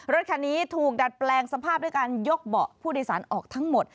รถคันนี้ถูกดัดแปลงสภาพด้วยการยกเบาะผู้โดยสารออกทั้งหมด